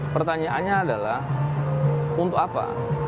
pertanyaannya adalah untuk apa